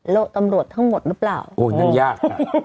แล้วตำรวจทั้งหมดหรือเปล่าโอ้นั่นยากนะ